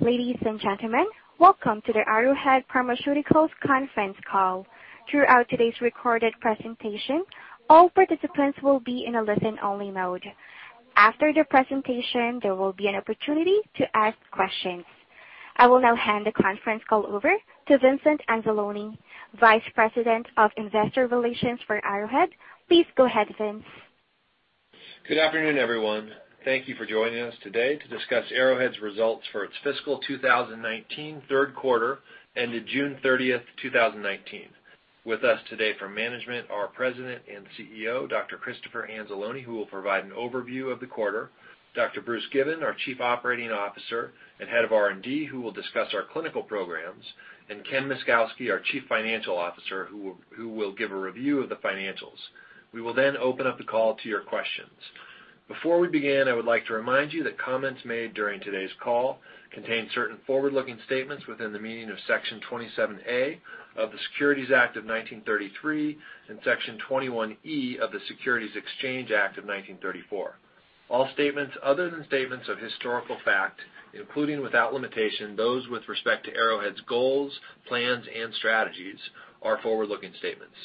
Ladies and gentlemen, welcome to the Arrowhead Pharmaceuticals conference call. Throughout today's recorded presentation, all participants will be in a listen-only mode. After the presentation, there will be an opportunity to ask questions. I will now hand the conference call over to Vincent Anzalone, Vice President of Investor Relations for Arrowhead. Please go ahead, Vince. Good afternoon, everyone. Thank you for joining us today to discuss Arrowhead's results for its fiscal 2019 third quarter ended June 30th, 2019. With us today from management, our President and CEO, Dr. Christopher Anzalone, who will provide an overview of the quarter, Dr. Bruce Given, our Chief Operating Officer and Head of R&D, who will discuss our clinical programs, and Ken Myszkowski, our Chief Financial Officer, who will give a review of the financials. We will then open up the call to your questions. Before we begin, I would like to remind you that comments made during today's call contain certain forward-looking statements within the meaning of Section 27A of the Securities Act of 1933 and Section 21E of the Securities Exchange Act of 1934. All statements other than statements of historical fact, including without limitation those with respect to Arrowhead's goals, plans, and strategies, are forward-looking statements.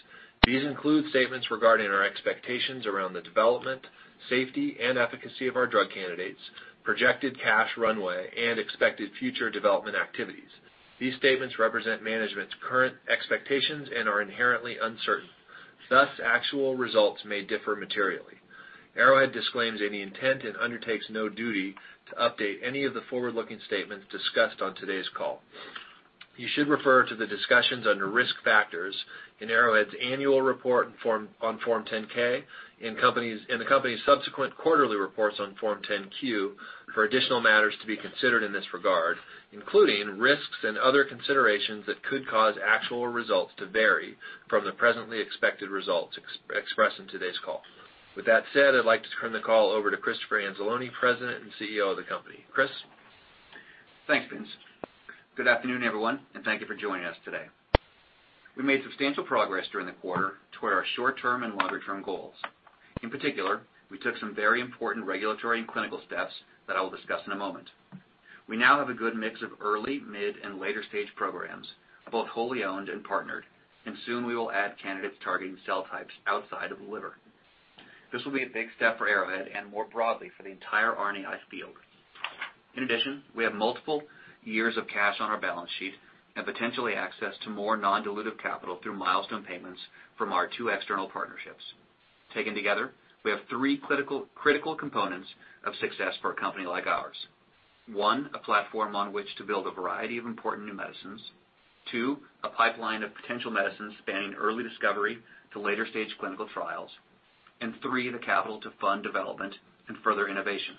These include statements regarding our expectations around the development, safety, and efficacy of our drug candidates, projected cash runway, and expected future development activities. These statements represent management's current expectations and are inherently uncertain. Thus, actual results may differ materially. Arrowhead disclaims any intent and undertakes no duty to update any of the forward-looking statements discussed on today's call. You should refer to the discussions under Risk Factors in Arrowhead's annual report on Form 10-K and the company's subsequent quarterly reports on Form 10-Q for additional matters to be considered in this regard, including risks and other considerations that could cause actual results to vary from the presently expected results expressed in today's call. With that said, I'd like to turn the call over to Christopher Anzalone, President and CEO of the company. Chris? Thanks, Vince. Good afternoon, everyone, and thank you for joining us today. We made substantial progress during the quarter toward our short-term and longer-term goals. In particular, we took some very important regulatory and clinical steps that I will discuss in a moment. We now have a good mix of early, mid, and later-stage programs, both wholly owned and partnered, and soon we will add candidates targeting cell types outside of the liver. This will be a big step for Arrowhead and more broadly for the entire RNAi field. In addition, we have multiple years of cash on our balance sheet and potentially access to more non-dilutive capital through milestone payments from our two external partnerships. Taken together, we have three critical components of success for a company like ours. One, a platform on which to build a variety of important new medicines. Two, a pipeline of potential medicines spanning early discovery to later-stage clinical trials. Three, the capital to fund development and further innovation.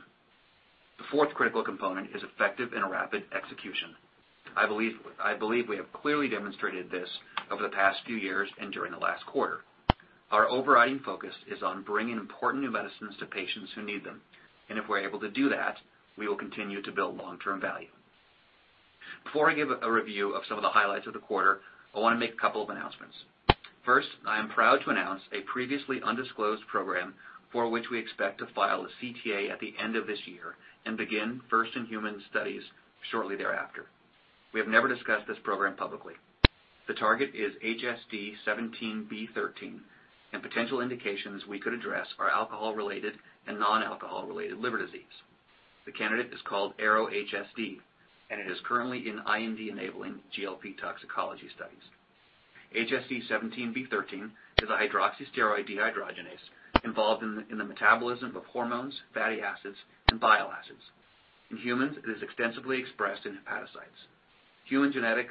The fourth critical component is effective and rapid execution. I believe we have clearly demonstrated this over the past few years and during the last quarter. Our overriding focus is on bringing important new medicines to patients who need them, and if we're able to do that, we will continue to build long-term value. Before I give a review of some of the highlights of the quarter, I want to make a couple of announcements. First, I am proud to announce a previously undisclosed program for which we expect to file a CTA at the end of this year and begin first-in-human studies shortly thereafter. We have never discussed this program publicly. The target is HSD17B13, and potential indications we could address are alcohol-related and non-alcohol-related liver disease. The candidate is called ARO-HSD, and it is currently in IND-enabling GLP toxicology studies. HSD17B13 is a hydroxysteroid dehydrogenase involved in the metabolism of hormones, fatty acids, and bile acids. In humans, it is extensively expressed in hepatocytes. Human genetic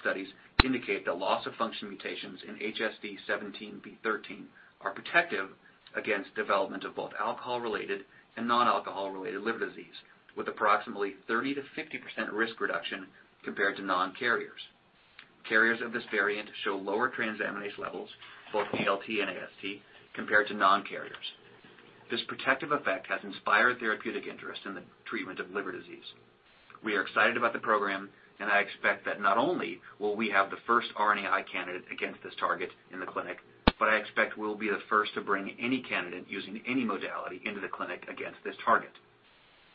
studies indicate that loss-of-function mutations in HSD17B13 are protective against development of both alcohol-related and non-alcohol-related liver disease, with approximately 30%-50% risk reduction compared to non-carriers. Carriers of this variant show lower transaminase levels, both ALT and AST, compared to non-carriers. This protective effect has inspired therapeutic interest in the treatment of liver disease. We are excited about the program, and I expect that not only will we have the first RNAi candidate against this target in the clinic, but I expect we'll be the first to bring any candidate using any modality into the clinic against this target.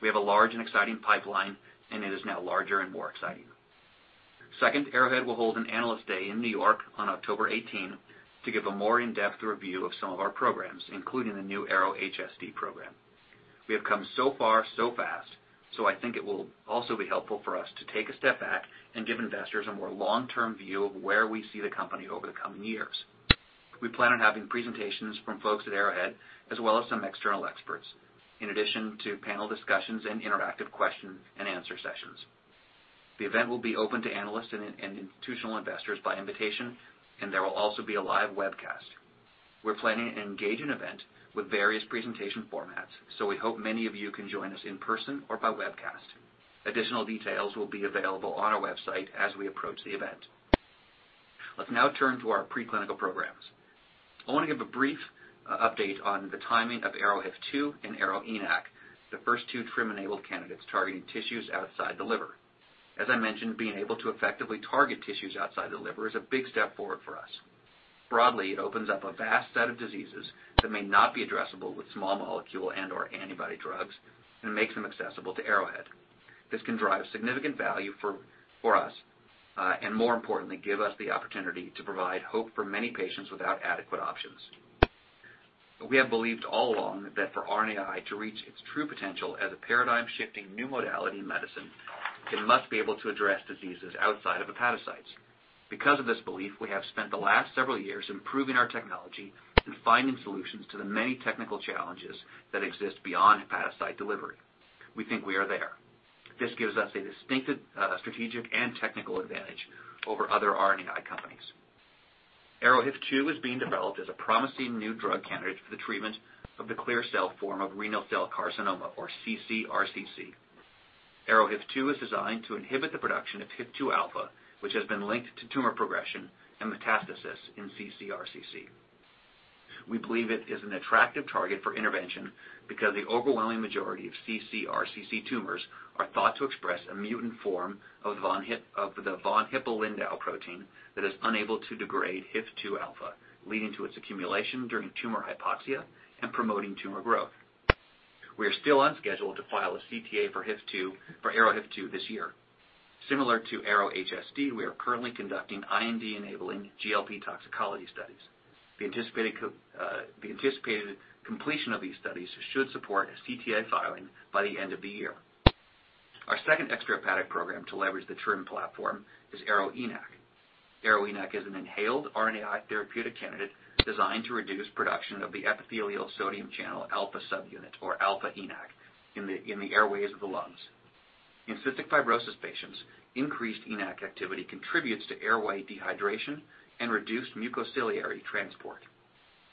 We have a large and exciting pipeline, and it is now larger and more exciting. Second, Arrowhead will hold an R&D Day in New York on October 18 to give a more in-depth review of some of our programs, including the new ARO-HSD program. We have come so far so fast, I think it will also be helpful for us to take a step back and give investors a more long-term view of where we see the company over the coming years. We plan on having presentations from folks at Arrowhead, as well as some external experts, in addition to panel discussions and interactive question and answer sessions. The event will be open to analysts and institutional investors by invitation, and there will also be a live webcast. We're planning an engaging event with various presentation formats, so we hope many of you can join us in person or by webcast. Additional details will be available on our website as we approach the event. Let's now turn to our preclinical programs. I want to give a brief update on the timing of ARO-HIF2 and ARO-ENaC, the first two TRiM-enabled candidates targeting tissues outside the liver. As I mentioned, being able to effectively target tissues outside the liver is a big step forward for us. Broadly, it opens up a vast set of diseases that may not be addressable with small molecule and/or antibody drugs and makes them accessible to Arrowhead. This can drive significant value for us, and more importantly, give us the opportunity to provide hope for many patients without adequate options. We have believed all along that for RNAi to reach its true potential as a paradigm-shifting new modality in medicine, it must be able to address diseases outside of hepatocytes. Because of this belief, we have spent the last several years improving our technology and finding solutions to the many technical challenges that exist beyond hepatocyte delivery. We think we are there. This gives us a distinctive strategic and technical advantage over other RNAi companies. ARO-HIF2 is being developed as a promising new drug candidate for the treatment of the clear cell form of renal cell carcinoma, or ccRCC. ARO-HIF2 is designed to inhibit the production of HIF-2 alpha, which has been linked to tumor progression and metastasis in ccRCC. We believe it is an attractive target for intervention because the overwhelming majority of ccRCC tumors are thought to express a mutant form of the von Hippel-Lindau protein that is unable to degrade HIF-2 alpha, leading to its accumulation during tumor hypoxia and promoting tumor growth. We are still on schedule to file a CTA for ARO-HIF2 this year. Similar to ARO-HSD, we are currently conducting IND-enabling GLP toxicology studies. The anticipated completion of these studies should support a CTA filing by the end of the year. Our second extrahepatic program to leverage the TRiM platform is ARO-ENaC. ARO-ENaC is an inhaled RNAi therapeutic candidate designed to reduce production of the epithelial sodium channel alpha subunit, or alpha ENaC, in the airways of the lungs. In cystic fibrosis patients, increased ENaC activity contributes to airway dehydration and reduced mucociliary transport.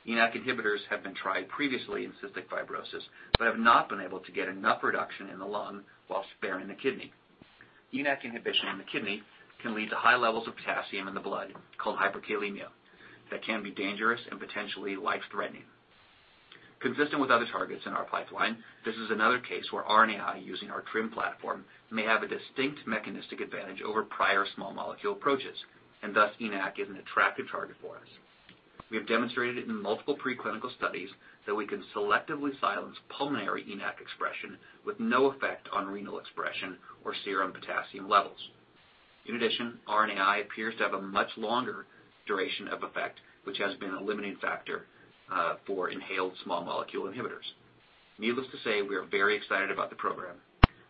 ENaC inhibitors have been tried previously in cystic fibrosis, but have not been able to get enough reduction in the lung while sparing the kidney. ENaC inhibition in the kidney can lead to high levels of potassium in the blood, called hyperkalemia, that can be dangerous and potentially life-threatening. Consistent with other targets in our pipeline, this is another case where RNAi using our TRiM platform may have a distinct mechanistic advantage over prior small molecule approaches, and thus ENaC is an attractive target for us. We have demonstrated in multiple preclinical studies that we can selectively silence pulmonary ENaC expression with no effect on renal expression or serum potassium levels. In addition, RNAi appears to have a much longer duration of effect, which has been a limiting factor for inhaled small molecule inhibitors. Needless to say, we are very excited about the program.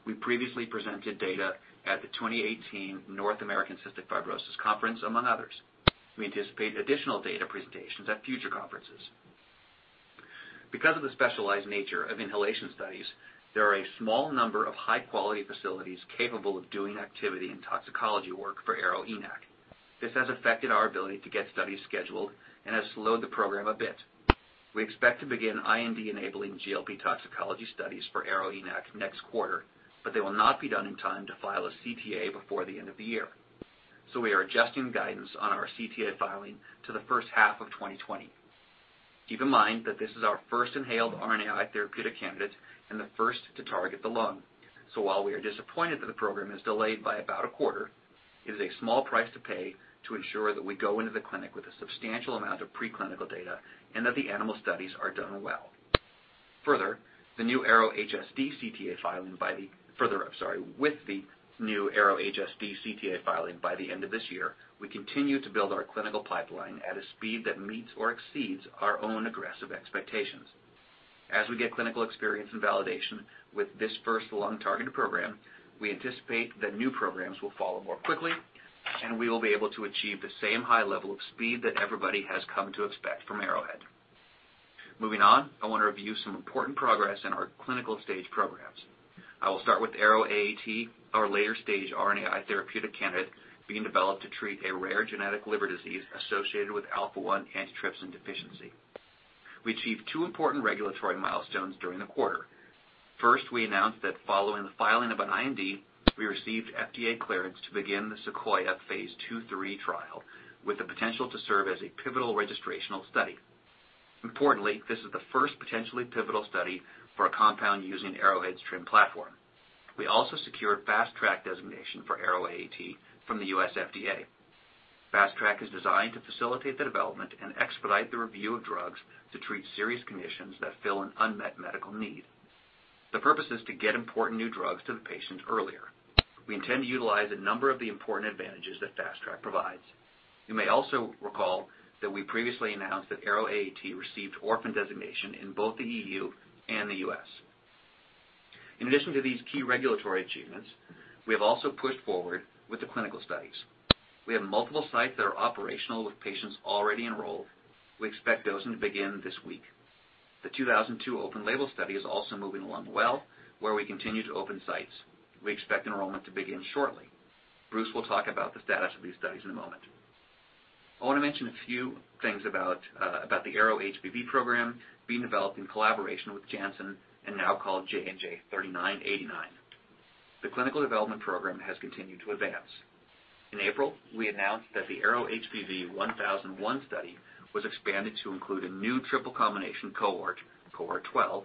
We previously presented data at the 2018 North American Cystic Fibrosis Conference, among others. We anticipate additional data presentations at future conferences. Because of the specialized nature of inhalation studies, there are a small number of high-quality facilities capable of doing activity and toxicology work for ARO-ENaC. This has affected our ability to get studies scheduled and has slowed the program a bit. We expect to begin IND-enabling GLP toxicology studies for ARO-ENaC next quarter, but they will not be done in time to file a CTA before the end of the year. We are adjusting guidance on our CTA filing to the first half of 2020. Keep in mind that this is our first inhaled RNAi therapeutic candidate and the first to target the lung. While we are disappointed that the program is delayed by about a quarter, it is a small price to pay to ensure that we go into the clinic with a substantial amount of preclinical data and that the animal studies are done well. Further, with the new ARO-HSD CTA filing by the end of this year, we continue to build our clinical pipeline at a speed that meets or exceeds our own aggressive expectations. As we get clinical experience and validation with this first lung-targeted program, we anticipate that new programs will follow more quickly, and we will be able to achieve the same high level of speed that everybody has come to expect from Arrowhead. Moving on, I want to review some important progress in our clinical stage programs. I will start with ARO-AAT, our later-stage RNAi therapeutic candidate being developed to treat a rare genetic liver disease associated with alpha-1 antitrypsin deficiency. We achieved two important regulatory milestones during the quarter. First, we announced that following the filing of an IND, we received FDA clearance to begin the SEQUOIA phase II/III trial, with the potential to serve as a pivotal registrational study. Importantly, this is the first potentially pivotal study for a compound using Arrowhead's TRiM platform. We also secured Fast Track designation for ARO-AAT from the U.S. FDA. Fast Track is designed to facilitate the development and expedite the review of drugs to treat serious conditions that fill an unmet medical need. The purpose is to get important new drugs to the patient earlier. We intend to utilize a number of the important advantages that Fast Track provides. You may also recall that we previously announced that ARO-AAT received Orphan Designation in both the EU and the U.S. In addition to these key regulatory achievements, we have also pushed forward with the clinical studies. We have multiple sites that are operational with patients already enrolled. We expect dosing to begin this week. The 2002 open label study is also moving along well, where we continue to open sites. We expect enrollment to begin shortly. Bruce will talk about the status of these studies in a moment. I want to mention a few things about the ARO-HBV program being developed in collaboration with Janssen and now called JNJ-3989. The clinical development program has continued to advance. In April, we announced that the ARO-HBV1001 study was expanded to include a new triple combination cohort 12,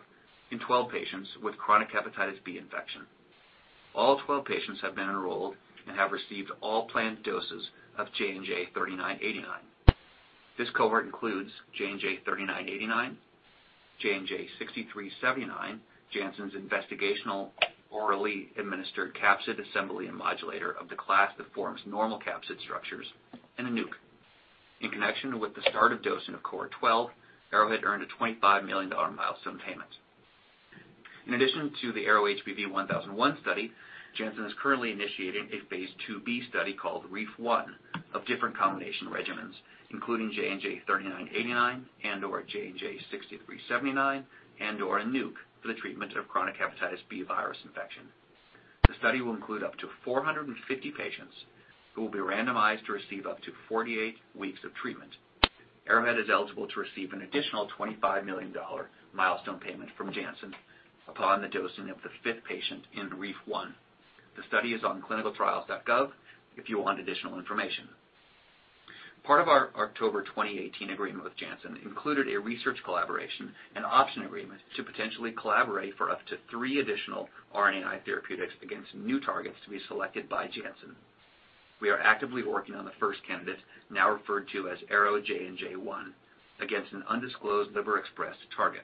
in 12 patients with chronic hepatitis B infection. All 12 patients have been enrolled and have received all planned doses of JNJ-3989. This cohort includes JNJ-3989, JNJ-6379, Janssen's investigational orally administered capsid assembly and modulator of the class that forms normal capsid structures, and a NUC. In connection with the start of dosing of cohort 12, Arrowhead earned a $25 million milestone payment. In addition to the ARO-HBV1001 study, Janssen is currently initiating a phase IIb study called REEF1 of different combination regimens, including JNJ-3989 and/or JNJ-6379 and/or a NUC for the treatment of chronic hepatitis B virus infection. The study will include up to 450 patients who will be randomized to receive up to 48 weeks of treatment. Arrowhead is eligible to receive an additional $25 million milestone payment from Janssen upon the dosing of the fifth patient in REEF1. The study is on clinicaltrials.gov if you want additional information. Part of our October 2018 agreement with Janssen included a research collaboration and option agreement to potentially collaborate for up to three additional RNAi therapeutics against new targets to be selected by Janssen. We are actively working on the first candidate, now referred to as ARO-JNJ1, against an undisclosed liver-expressed target.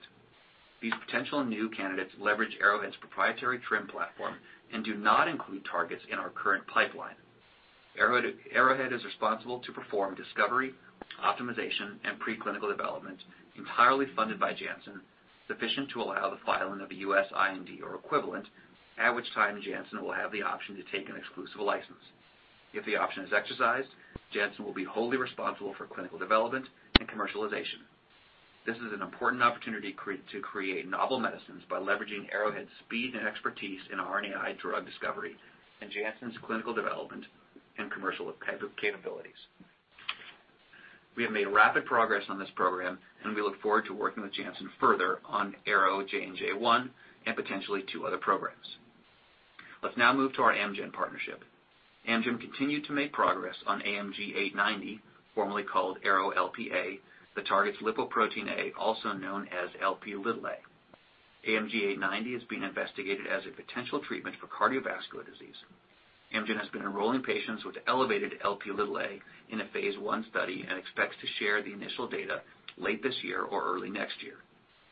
These potential new candidates leverage Arrowhead's proprietary TRiM platform and do not include targets in our current pipeline. Arrowhead is responsible to perform discovery, optimization, and preclinical development entirely funded by Janssen, sufficient to allow the filing of a U.S. IND or equivalent, at which time Janssen will have the option to take an exclusive license. If the option is exercised, Janssen will be wholly responsible for clinical development and commercialization. This is an important opportunity to create novel medicines by leveraging Arrowhead's speed and expertise in RNAi drug discovery and Janssen's clinical development and commercial capabilities. We have made rapid progress on this program, and we look forward to working with Janssen further on ARO-JNJ1 and potentially two other programs. Let's now move to our Amgen partnership. Amgen continued to make progress on AMG 890, formerly called ARO-LPA, that targets lipoprotein A, also known as Lp(a). AMG 890 is being investigated as a potential treatment for cardiovascular disease. Amgen has been enrolling patients with elevated Lp(a) in a phase I study and expects to share the initial data late this year or early next year.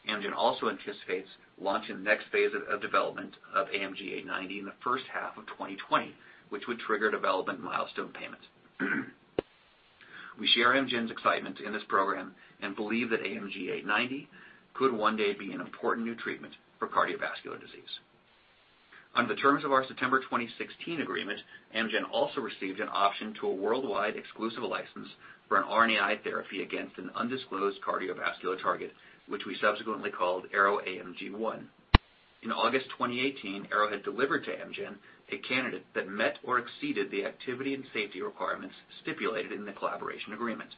Amgen also anticipates launching the next phase of development of AMG 890 in the first half of 2020, which would trigger development milestone payments. We share Amgen's excitement in this program and believe that AMG 890 could one day be an important new treatment for cardiovascular disease. Under the terms of our September 2016 agreement, Amgen also received an option to a worldwide exclusive license for an RNAi therapy against an undisclosed cardiovascular target, which we subsequently called ARO-AMG 1. In August 2018, Arrowhead delivered to Amgen a candidate that met or exceeded the activity and safety requirements stipulated in the collaboration agreement.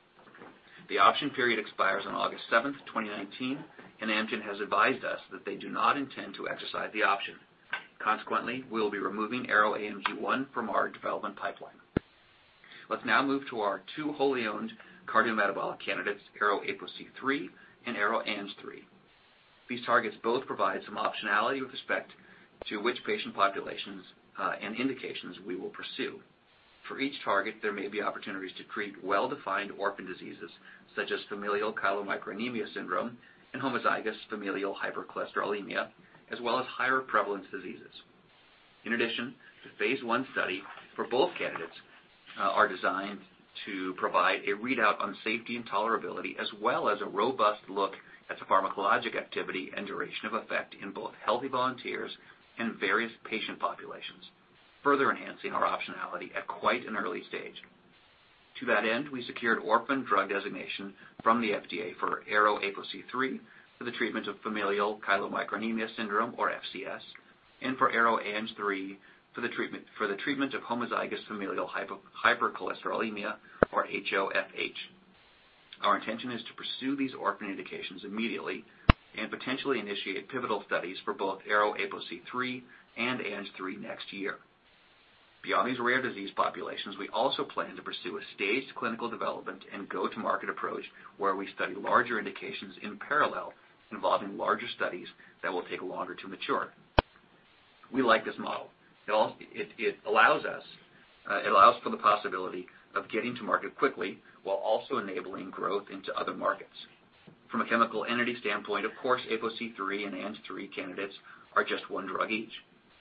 The option period expires on August 7th, 2019. Amgen has advised us that they do not intend to exercise the option. Consequently, we'll be removing ARO-AMG 1 from our development pipeline. Let's now move to our two wholly owned cardiometabolic candidates, ARO-APOC3 and ARO-ANG3. These targets both provide some optionality with respect to which patient populations and indications we will pursue. For each target, there may be opportunities to treat well-defined orphan diseases such as familial chylomicronemia syndrome and homozygous familial hypercholesterolemia, as well as higher prevalence diseases. In addition, the phase I study for both candidates are designed to provide a readout on safety and tolerability as well as a robust look at the pharmacologic activity and duration of effect in both healthy volunteers and various patient populations, further enhancing our optionality at quite an early stage. To that end, we secured Orphan Drug Designation from the FDA for ARO-APOC3 for the treatment of familial chylomicronemia syndrome, or FCS, and for ARO-ANG3 for the treatment of homozygous familial hypercholesterolemia, or HoFH. Our intention is to pursue these orphan indications immediately and potentially initiate pivotal studies for both ARO-APOC3 and ANG3 next year. Beyond these rare disease populations, we also plan to pursue a staged clinical development and go-to-market approach where we study larger indications in parallel involving larger studies that will take longer to mature. We like this model. It allows for the possibility of getting to market quickly while also enabling growth into other markets. From a chemical entity standpoint, of course, ARO-APOC3 and ARO-ANG3 candidates are just one drug each.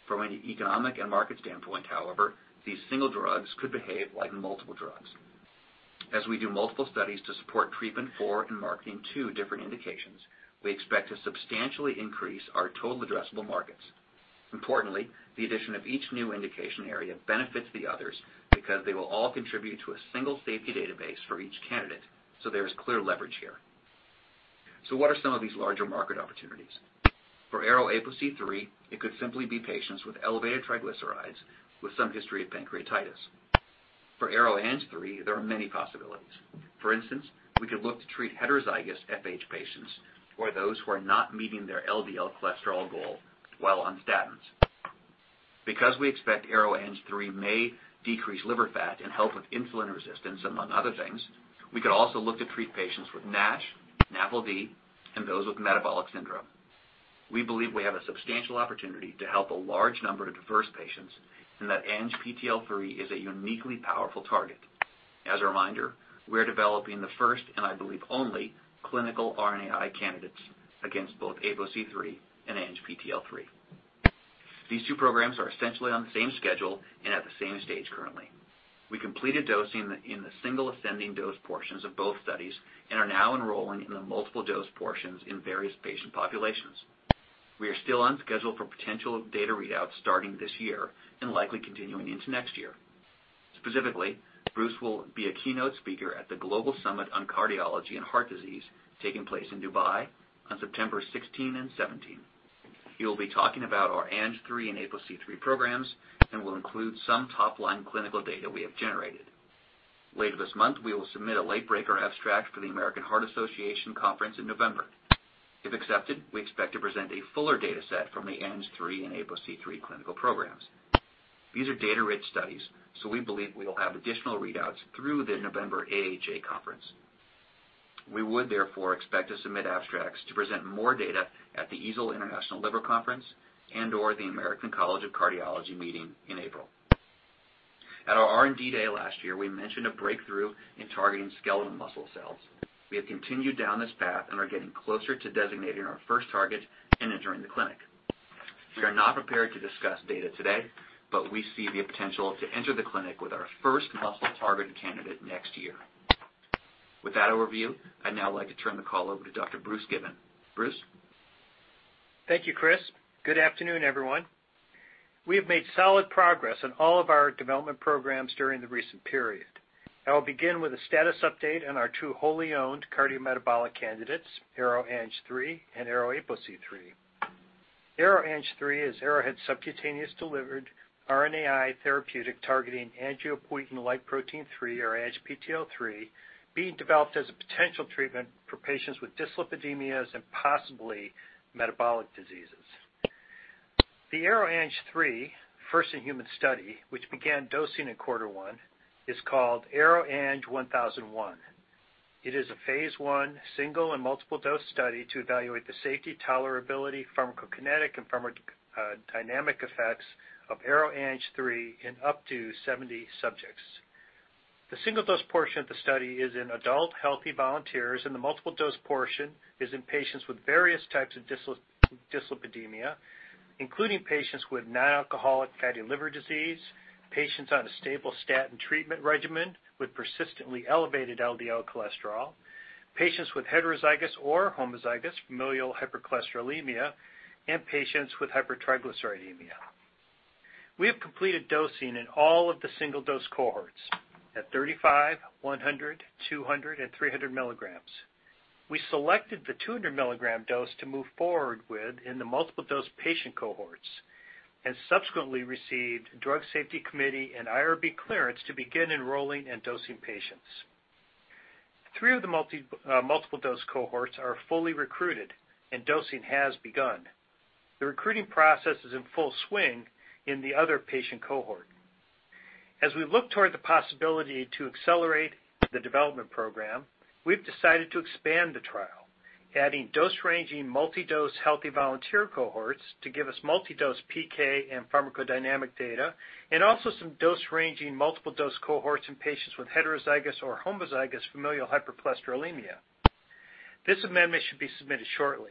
From an economic and market standpoint, however, these single drugs could behave like multiple drugs. As we do multiple studies to support treatment for and marketing two different indications, we expect to substantially increase our total addressable markets. Importantly, the addition of each new indication area benefits the others because they will all contribute to a single safety database for each candidate, there is clear leverage here. What are some of these larger market opportunities? For ARO-APOC3, it could simply be patients with elevated triglycerides with some history of pancreatitis. For ARO-ANG3, there are many possibilities. For instance, we could look to treat heterozygous FH patients or those who are not meeting their LDL cholesterol goal while on statins. Because we expect ARO-ANG3 may decrease liver fat and help with insulin resistance, among other things, we could also look to treat patients with NASH, NAFLD, and those with metabolic syndrome. We believe we have a substantial opportunity to help a large number of diverse patients, and that ANGPTL3 is a uniquely powerful target. As a reminder, we are developing the first, and I believe only, clinical RNAi candidates against both APOC3 and ANGPTL3. These two programs are essentially on the same schedule and at the same stage currently. We completed dosing in the single ascending dose portions of both studies and are now enrolling in the multiple dose portions in various patient populations. We are still on schedule for potential data readouts starting this year and likely continuing into next year. Specifically, Bruce will be a keynote speaker at the Global Summit on Cardiology and Heart Disease, taking place in Dubai on September 16 and 17. He will be talking about our ANG3 and APOC3 programs and will include some top-line clinical data we have generated. Later this month, we will submit a late breaker abstract for the American Heart Association Conference in November. If accepted, we expect to present a fuller data set from the ANG3 and APOC3 clinical programs. These are data-rich studies, so we believe we will have additional readouts through the November AHA conference. We would therefore expect to submit abstracts to present more data at the EASL International Liver Conference and/or the American College of Cardiology meeting in April. At our R&D Day last year, we mentioned a breakthrough in targeting skeletal muscle cells. We have continued down this path and are getting closer to designating our first target and entering the clinic. We are not prepared to discuss data today, but we see the potential to enter the clinic with our first muscle-targeted candidate next year. With that overview, I'd now like to turn the call over to Dr. Bruce Given. Bruce? Thank you, Chris. Good afternoon, everyone. We have made solid progress on all of our development programs during the recent period. I will begin with a status update on our two wholly owned cardiometabolic candidates, ARO-ANG3 and ARO-APOC3. ARO-ANG3 is Arrowhead's subcutaneous delivered RNAi therapeutic targeting angiopoietin-like protein 3, or ANGPTL3, being developed as a potential treatment for patients with dyslipidemias and possibly metabolic diseases. The ARO-ANG3 first-in-human study, which began dosing in quarter 1, is called AROANG1001. It is a phase I single and multiple dose study to evaluate the safety, tolerability, pharmacokinetic, and pharmacodynamic effects of ARO-ANG3 in up to 70 subjects. The single-dose portion of the study is in adult healthy volunteers. The multiple dose portion is in patients with various types of dyslipidemia, including patients with non-alcoholic fatty liver disease, patients on a stable statin treatment regimen with persistently elevated LDL cholesterol, patients with heterozygous or homozygous familial hypercholesterolemia, and patients with hypertriglyceridemia. We have completed dosing in all of the single dose cohorts at 35, 100, 200, and 300 milligrams. We selected the 200-milligram dose to move forward with in the multiple dose patient cohorts and subsequently received Drug Safety Committee and IRB clearance to begin enrolling and dosing patients. 3 of the multiple dose cohorts are fully recruited. Dosing has begun. The recruiting process is in full swing in the other patient cohort. As we look toward the possibility to accelerate the development program, we've decided to expand the trial, adding dose-ranging, multi-dose healthy volunteer cohorts to give us multi-dose PK and pharmacodynamic data, and also some dose-ranging multiple dose cohorts in patients with heterozygous or homozygous familial hypercholesterolemia. This amendment should be submitted shortly.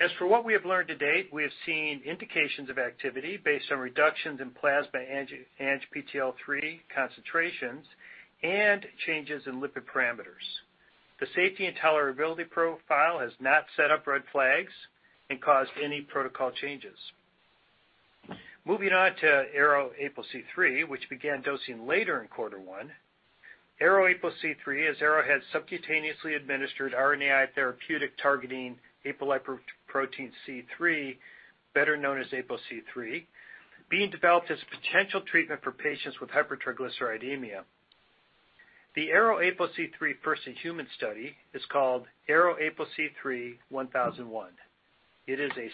As for what we have learned to date, we have seen indications of activity based on reductions in plasma ANGPTL3 concentrations and changes in lipid parameters. The safety and tolerability profile has not set up red flags and caused any protocol changes. Moving on to ARO-APOC3, which began dosing later in quarter one. ARO-APOC3 is Arrowhead's subcutaneously administered RNAi therapeutic targeting apolipoprotein C-III, better known as APOC3, being developed as a potential treatment for patients with hypertriglyceridemia. The ARO-APOC3 first-in-human study is called AROAPOC31001. It is a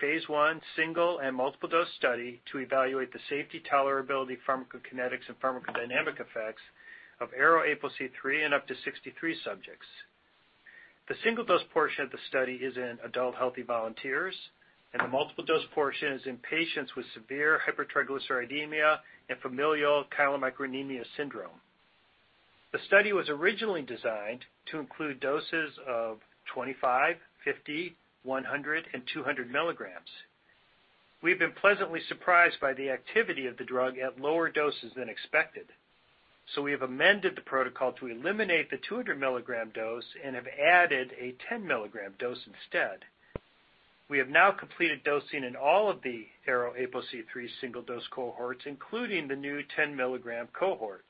phase I single and multiple dose study to evaluate the safety, tolerability, pharmacokinetics, and pharmacodynamic effects of ARO-APOC3 in up to 63 subjects. The single dose portion of the study is in adult healthy volunteers, and the multiple dose portion is in patients with severe hypertriglyceridemia and familial chylomicronemia syndrome. The study was originally designed to include doses of 25, 50, 100, and 200 milligrams. We've been pleasantly surprised by the activity of the drug at lower doses than expected, so we have amended the protocol to eliminate the 200-milligram dose and have added a 10-milligram dose instead. We have now completed dosing in all of the ARO-APOC3 single dose cohorts, including the new 10-milligram cohort.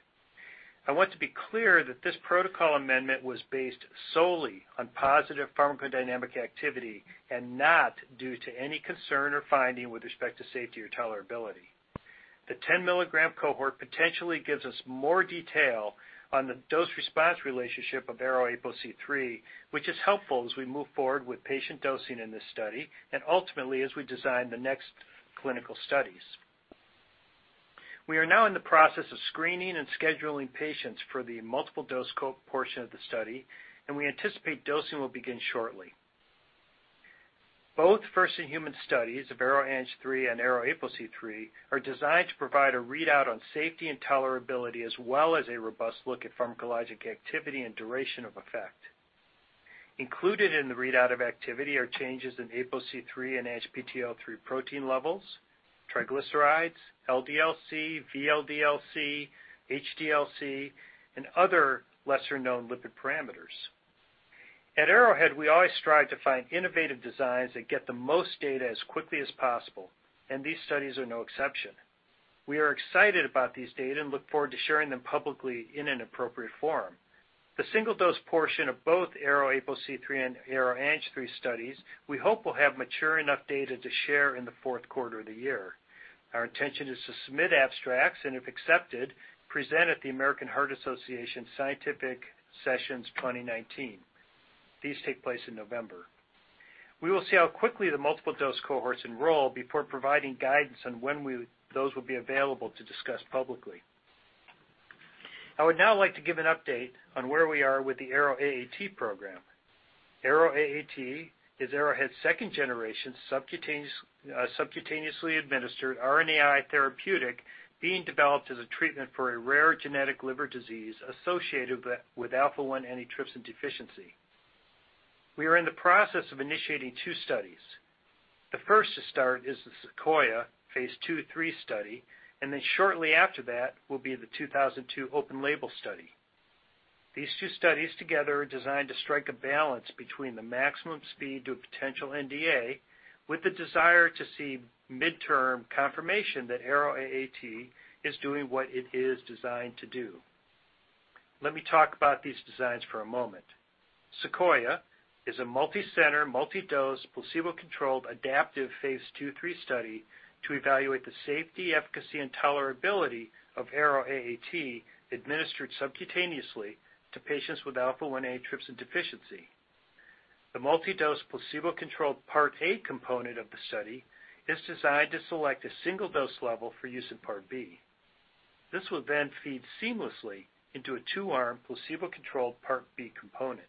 I want to be clear that this protocol amendment was based solely on positive pharmacodynamic activity and not due to any concern or finding with respect to safety or tolerability. The 10-milligram cohort potentially gives us more detail on the dose-response relationship of ARO-APOC3, which is helpful as we move forward with patient dosing in this study, and ultimately, as we design the next clinical studies. We are now in the process of screening and scheduling patients for the multiple dose portion of the study, and we anticipate dosing will begin shortly. Both first-in-human studies of ARO-ANG3 and ARO-APOC3 are designed to provide a readout on safety and tolerability, as well as a robust look at pharmacologic activity and duration of effect. Included in the readout of activity are changes in APOC3 and ANGPTL3 protein levels, triglycerides, LDL-C, VLDL-C, HDL-C, and other lesser-known lipid parameters. At Arrowhead, we always strive to find innovative designs that get the most data as quickly as possible, and these studies are no exception. We are excited about these data and look forward to sharing them publicly in an appropriate form. The single-dose portion of both ARO-APOC3 and ARO-ANG3 studies, we hope will have mature enough data to share in the fourth quarter of the year. Our intention is to submit abstracts, and if accepted, present at the American Heart Association Scientific Sessions 2019. These take place in November. We will see how quickly the multiple dose cohorts enroll before providing guidance on when those will be available to discuss publicly. I would now like to give an update on where we are with the ARO-AAT program. ARO-AAT is Arrowhead's second generation subcutaneously administered RNAi therapeutic being developed as a treatment for a rare genetic liver disease associated with alpha-1 antitrypsin deficiency. We are in the process of initiating two studies. The first to start is the SEQUOIA phase II/III study, and then shortly after that will be the 2002 open label study. These two studies together are designed to strike a balance between the maximum speed to a potential NDA, with the desire to see midterm confirmation that ARO-AAT is doing what it is designed to do. Let me talk about these designs for a moment. SEQUOIA is a multicenter, multi-dose, placebo-controlled, adaptive phase II/III study to evaluate the safety, efficacy, and tolerability of ARO-AAT administered subcutaneously to patients with alpha-1 antitrypsin deficiency. The multi-dose placebo-controlled Part A component of the study is designed to select a single-dose level for use in Part B. This will feed seamlessly into a two-arm placebo-controlled Part B component.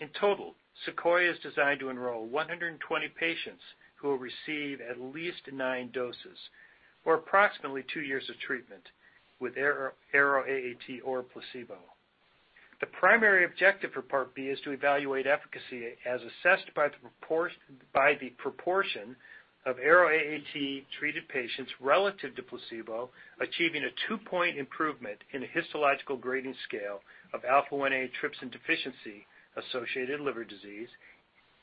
In total, SEQUOIA is designed to enroll 120 patients who will receive at least nine doses or approximately two years of treatment with ARO-AAT or a placebo. The primary objective for Part B is to evaluate efficacy as assessed by the proportion of ARO-AAT-treated patients relative to placebo, achieving a two-point improvement in the histological grading scale of alpha-1 antitrypsin deficiency associated liver disease,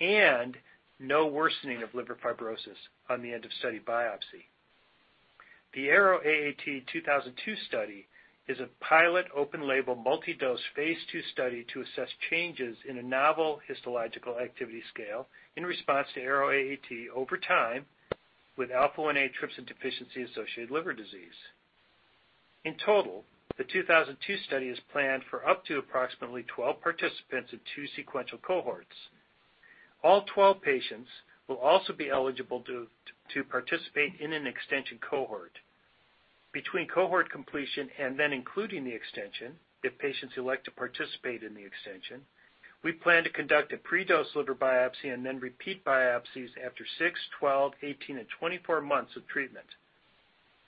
and no worsening of liver fibrosis on the end of study biopsy. The ARO-AAT 2002 study is a pilot open label multi-dose Phase II study to assess changes in a novel histological activity scale in response to ARO-AAT over time with alpha-1 antitrypsin deficiency associated liver disease. In total, the 2002 study is planned for up to approximately 12 participants in two sequential cohorts. All 12 patients will also be eligible to participate in an extension cohort. Between cohort completion and then including the extension, if patients elect to participate in the extension, we plan to conduct a pre-dose liver biopsy and then repeat biopsies after six, 12, 18, and 24 months of treatment.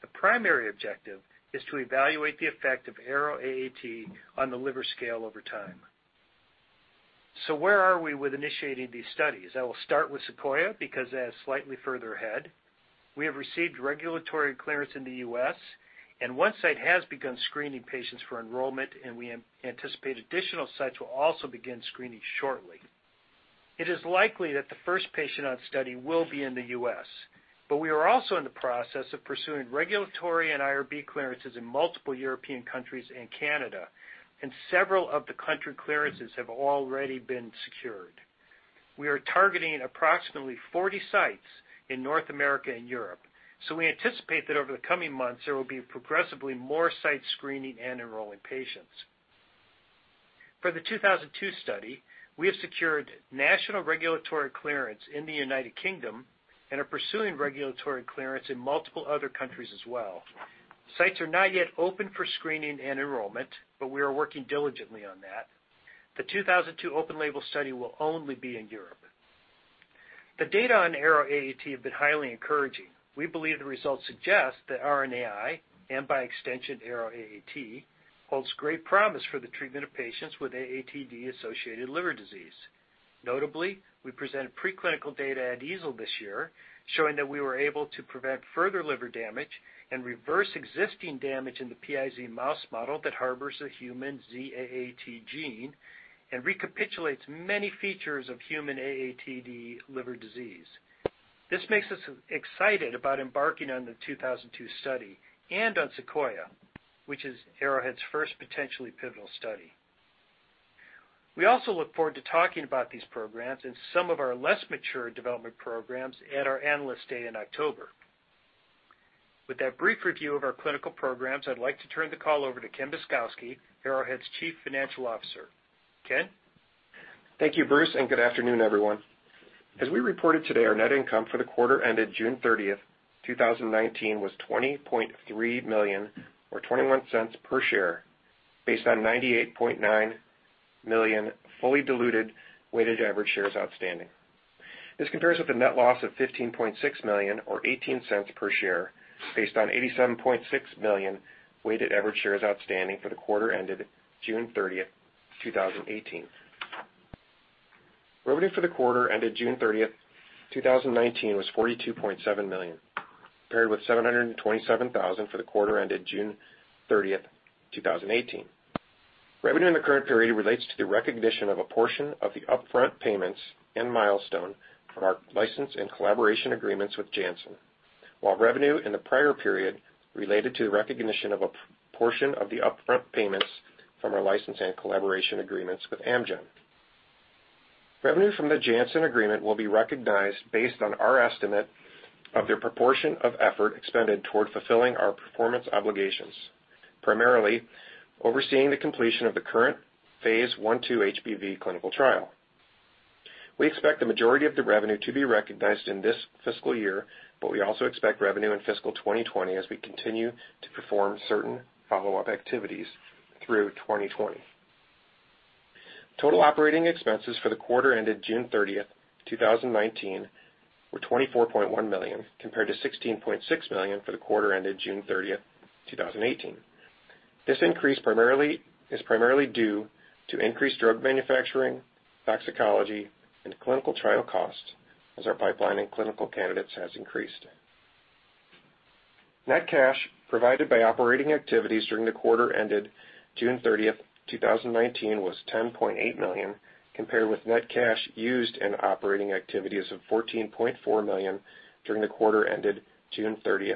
The primary objective is to evaluate the effect of ARO-AAT on the liver scale over time. Where are we with initiating these studies? I will start with SEQUOIA because that is slightly further ahead. We have received regulatory clearance in the U.S., and one site has begun screening patients for enrollment, and we anticipate additional sites will also begin screening shortly. It is likely that the first patient on study will be in the U.S., but we are also in the process of pursuing regulatory and IRB clearances in multiple European countries and Canada, and several of the country clearances have already been secured. We are targeting approximately 40 sites in North America and Europe. We anticipate that over the coming months, there will be progressively more site screening and enrolling patients. For the 2002 study, we have secured national regulatory clearance in the United Kingdom and are pursuing regulatory clearance in multiple other countries as well. Sites are not yet open for screening and enrollment, but we are working diligently on that. The 2002 open label study will only be in Europe. The data on ARO-AAT have been highly encouraging. We believe the results suggest that RNAi and by extension ARO-AAT, holds great promise for the treatment of patients with AATD-associated liver disease. Notably, we presented preclinical data at EASL this year showing that we were able to prevent further liver damage and reverse existing damage in the PiZ mouse model that harbors a human Z-AAT gene and recapitulates many features of human AATD liver disease. This makes us excited about embarking on the 2002 study and on SEQUOIA, which is Arrowhead's first potentially pivotal study. We also look forward to talking about these programs and some of our less mature development programs at our R&D Day in October. With that brief review of our clinical programs, I'd like to turn the call over to Ken Myszkowski, Arrowhead's Chief Financial Officer. Ken? Thank you, Bruce. Good afternoon, everyone. As we reported today, our net income for the quarter ended June 30, 2019 was $20.3 million, or $0.21 per share, based on 98.9 million fully diluted weighted average shares outstanding. This compares with the net loss of $15.6 million or $0.18 per share based on 87.6 million weighted average shares outstanding for the quarter ended June 30, 2018. Revenue for the quarter ended June 30, 2019 was $42.7 million, paired with $727,000 for the quarter ended June 30, 2018. Revenue in the current period relates to the recognition of a portion of the upfront payments and milestone from our license and collaboration agreements with Janssen. While revenue in the prior period related to the recognition of a portion of the upfront payments from our license and collaboration agreements with Amgen. Revenue from the Janssen agreement will be recognized based on our estimate of their proportion of effort expended toward fulfilling our performance obligations, primarily overseeing the completion of the current phase I/II HBV clinical trial. We expect the majority of the revenue to be recognized in this fiscal year, but we also expect revenue in fiscal 2020 as we continue to perform certain follow-up activities through 2020. Total operating expenses for the quarter ended June 30, 2019 were $24.1 million, compared to $16.6 million for the quarter ended June 30, 2018. This increase is primarily due to increased drug manufacturing, toxicology, and clinical trial costs as our pipeline and clinical candidates has increased. Net cash provided by operating activities during the quarter ended June 30, 2019 was $10.8 million, compared with net cash used in operating activities of $14.4 million during the quarter ended June 30,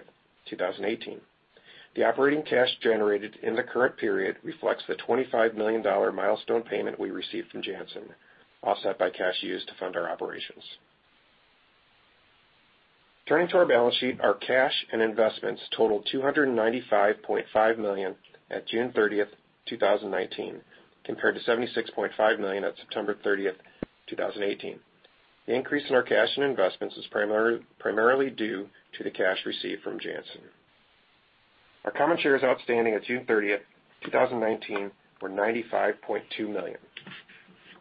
2018. The operating cash generated in the current period reflects the $25 million milestone payment we received from Janssen, offset by cash used to fund our operations. Turning to our balance sheet, our cash and investments totaled $295.5 million at June 30th, 2019, compared to $76.5 million at September 30th, 2018. The increase in our cash and investments is primarily due to the cash received from Janssen. Our common shares outstanding at June 30th, 2019 were 95.2 million.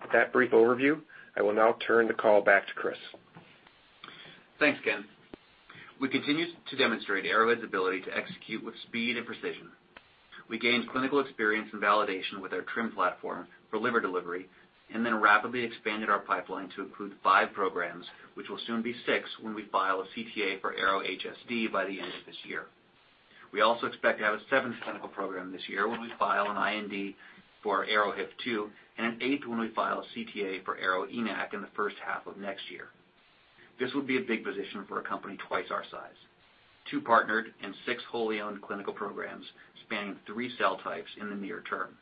With that brief overview, I will now turn the call back to Chris. Thanks, Ken. We continue to demonstrate Arrowhead's ability to execute with speed and precision. We gained clinical experience and validation with our TRiM platform for liver delivery and then rapidly expanded our pipeline to include five programs, which will soon be six when we file a CTA for ARO-HSD by the end of this year. We also expect to have a seventh clinical program this year when we file an IND for ARO-HIF2 and an eighth when we file a CTA for ARO-ENaC in the first half of next year. This would be a big position for a company twice our size. Two partnered and six wholly owned clinical programs spanning three cell types in the near term.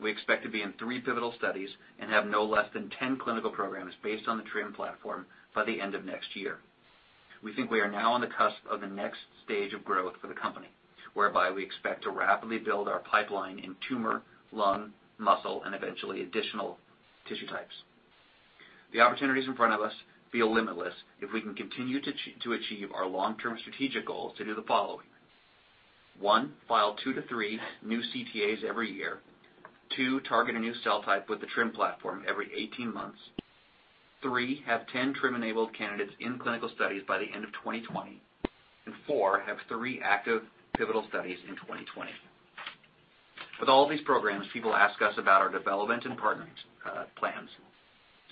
We expect to be in three pivotal studies and have no less than 10 clinical programs based on the TRiM platform by the end of next year. We think we are now on the cusp of the next stage of growth for the company, whereby we expect to rapidly build our pipeline in tumor, lung, muscle, and eventually additional tissue types. The opportunities in front of us feel limitless if we can continue to achieve our long-term strategic goals to do the following. One, file two to three new CTAs every year. Two, target a new cell type with the TRiM platform every 18 months. Three, have 10 TRiM-enabled candidates in clinical studies by the end of 2020. Four, have three active pivotal studies in 2020. With all these programs, people ask us about our development and partnering plans.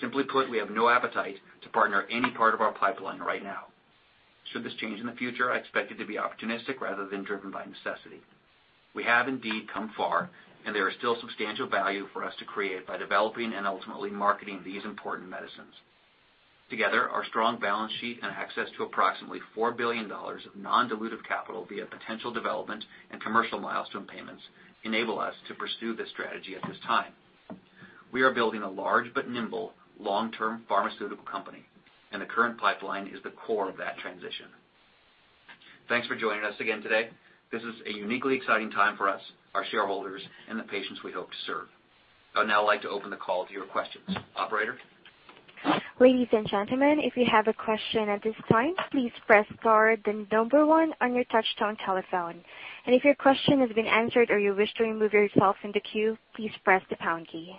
Simply put, we have no appetite to partner any part of our pipeline right now. Should this change in the future, I expect it to be opportunistic rather than driven by necessity. We have indeed come far, and there is still substantial value for us to create by developing and ultimately marketing these important medicines. Together, our strong balance sheet and access to approximately $4 billion of non-dilutive capital via potential development and commercial milestone payments enable us to pursue this strategy at this time. We are building a large but nimble long-term pharmaceutical company, and the current pipeline is the core of that transition. Thanks for joining us again today. This is a uniquely exciting time for us, our shareholders, and the patients we hope to serve. I'd now like to open the call to your questions. Operator? Ladies and gentlemen, if you have a question at this time, please press star then number 1 on your touchtone telephone. If your question has been answered or you wish to remove yourself from the queue, please press the pound key.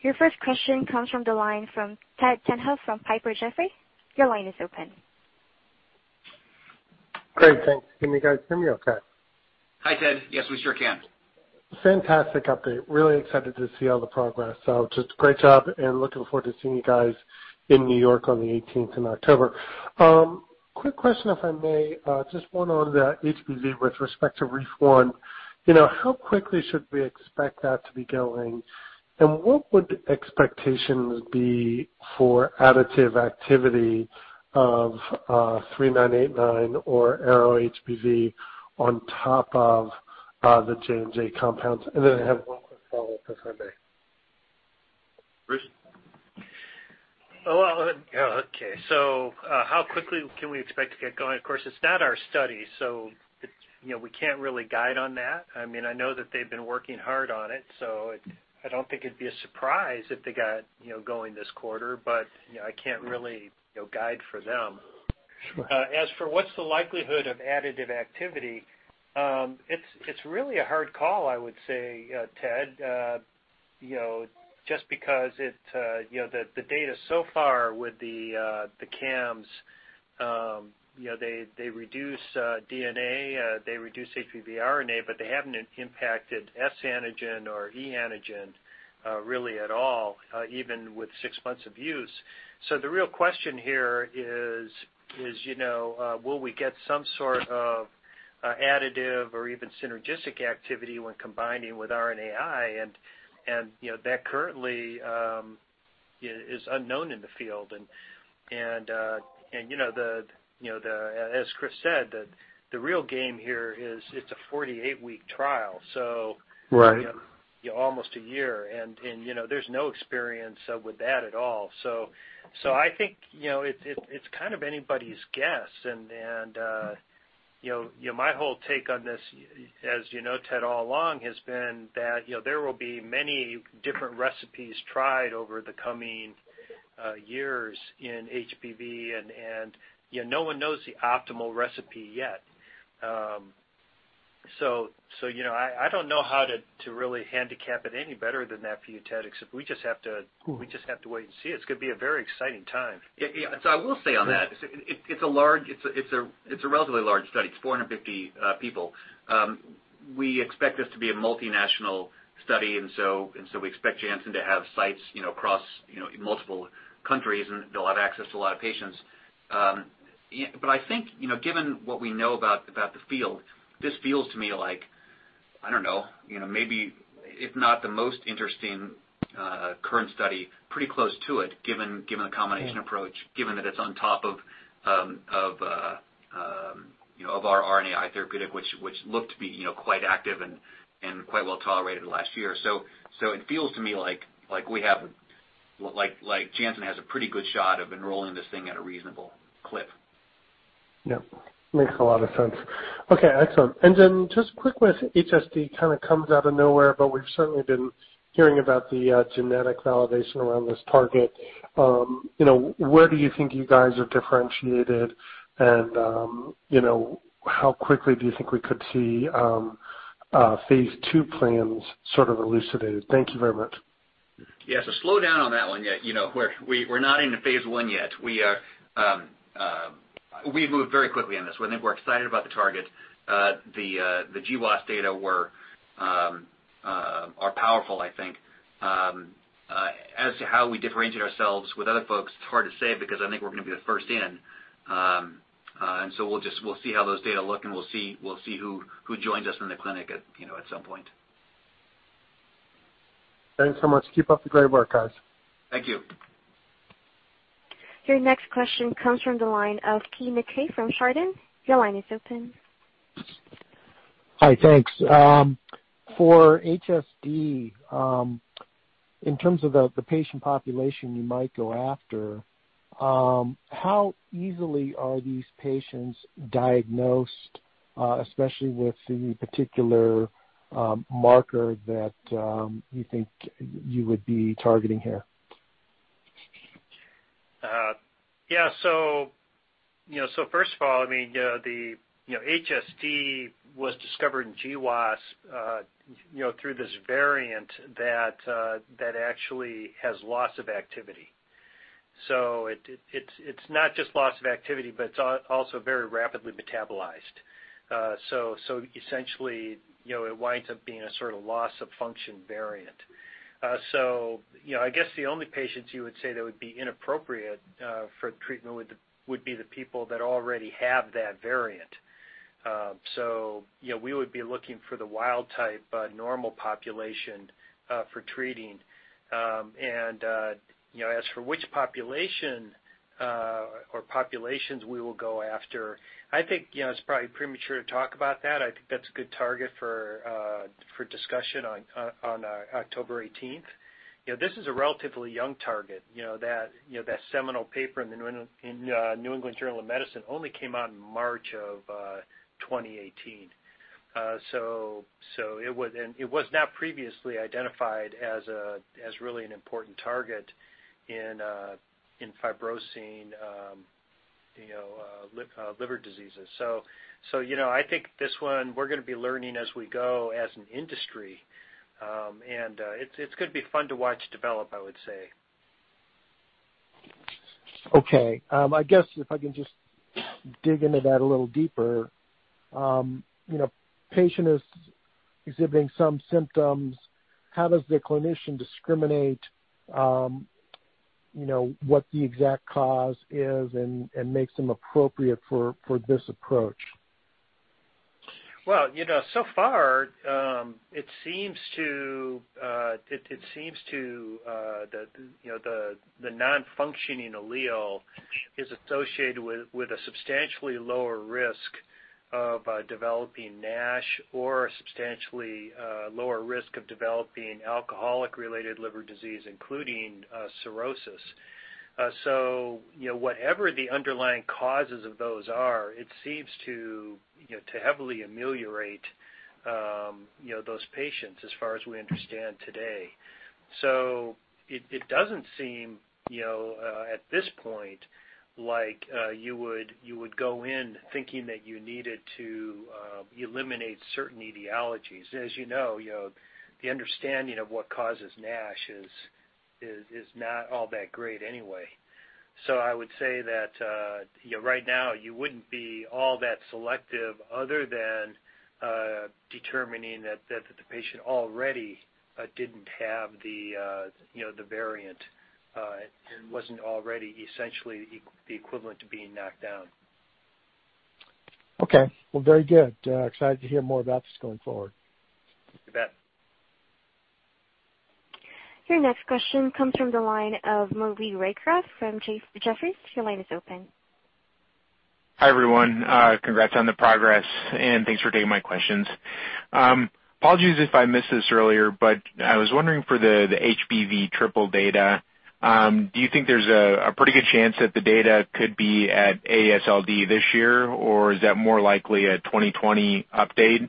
Your first question comes from the line from Ted Tenthoff from Piper Jaffray. Your line is open. Great. Thanks. Can you guys hear me okay? Hi, Ted. Yes, we sure can. Fantastic update. Really excited to see all the progress. Just great job and looking forward to seeing you guys in New York on the 18th in October. Quick question, if I may. Just one on the HBV with respect to REEF-1. How quickly should we expect that to be going? And what would expectations be for additive activity of 3989 or ARO-HBV on top of the Janssen compounds? Then I have one quick follow-up for Sunday. Chris? Well, okay. How quickly can we expect to get going? Of course, it's not our study, so we can't really guide on that. I know that they've been working hard on it, so I don't think it'd be a surprise if they got going this quarter. I can't really guide for them. Sure. As for what's the likelihood of additive activity, it's really a hard call, I would say, Ted. Just because the data so far with the cams, they reduce DNA, they reduce HBV RNA, but they haven't impacted S antigen or E antigen really at all, even with six months of use. The real question here is will we get some sort of additive or even synergistic activity when combining with RNAi? That currently is unknown in the field. As Chris said, the real game here is it's a 48-week trial. Right. Almost a year. There's no experience with that at all. I think, it's kind of anybody's guess. My whole take on this, as you know, Ted, all along has been that there will be many different recipes tried over the coming years in HBV, and no one knows the optimal recipe yet. I don't know how to really handicap it any better than that for you, Ted, except we just have to. Cool wait and see. It's going to be a very exciting time. I will say on that, it's a relatively large study. It's 450 people. We expect this to be a multinational study, we expect Janssen to have sites, across, in multiple countries and they'll have access to a lot of patients. I think, given what we know about the field, this feels to me like, I don't know, maybe if not the most interesting current study, pretty close to it, given the combination approach. Given that it's on top of our RNAi therapeutic, which looked to be quite active and quite well-tolerated last year. It feels to me like Janssen has a pretty good shot of enrolling this thing at a reasonable clip. Yep. Makes a lot of sense. Okay, excellent. Then just quick with HSD, kind of comes out of nowhere, but we've certainly been hearing about the genetic validation around this target. Where do you think you guys are differentiated? How quickly do you think we could see phase II plans sort sort of elucidated? Thank you very much. Yeah. Slow down on that one, yet. We're not into phase I yet. We moved very quickly on this one. I think we're excited about the target. The GWAS data are powerful, I think. As to how we differentiate ourselves with other folks, it's hard to say because I think we're going to be the first in. We'll see how those data look, and we'll see who joins us in the clinic at some point. Thanks so much. Keep up the great work, guys. Thank you. Your next question comes from the line of Keay Nakae from Chardan. Your line is open. Hi, thanks. For HSD, in terms of the patient population you might go after, how easily are these patients diagnosed, especially with the particular marker that you think you would be targeting here? Yeah. First of all, HSD was discovered in GWAS through this variant that actually has loss of activity. It's not just loss of activity, but it's also very rapidly metabolized. Essentially, it winds up being a sort of loss-of-function variant. I guess the only patients you would say that would be inappropriate for treatment would be the people that already have that variant. We would be looking for the wild type, normal population, for treating. As for which population, or populations we will go after, I think, it's probably premature to talk about that. I think that's a good target for discussion on October 18th. This is a relatively young target. That seminal paper in the New England Journal of Medicine only came out in March of 2018. It was not previously identified as really an important target in fibrosing liver diseases. I think this one, we're going to be learning as we go as an industry. It's going to be fun to watch develop, I would say. I guess if I can just dig into that a little deeper. Patient is exhibiting some symptoms. How does the clinician discriminate what the exact cause is and makes them appropriate for this approach? Well, so far it seems the non-functioning allele is associated with a substantially lower risk of developing NASH or a substantially lower risk of developing alcohol-related liver disease, including cirrhosis. Whatever the underlying causes of those are, it seems to heavily ameliorate those patients as far as we understand today. It doesn't seem, at this point, like you would go in thinking that you needed to eliminate certain etiologies. As you know, the understanding of what causes NASH is not all that great anyway. I would say that right now you wouldn't be all that selective other than determining that the patient already didn't have the variant and wasn't already essentially the equivalent to being knocked down. Okay. Well, very good. Excited to hear more about this going forward. You bet. Your next question comes from the line of Maury Raycroft from Jefferies. Your line is open. Hi, everyone. Congrats on the progress and thanks for taking my questions. Apologies if I missed this earlier, but I was wondering for the HBV triple data, do you think there's a pretty good chance that the data could be at AASLD this year, or is that more likely a 2020 update?